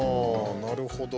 なるほど。